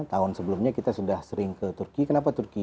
tahun sebelumnya kita sudah sering ke turki kenapa turki